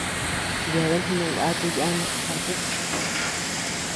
Yeabean jinangaku yana chaku.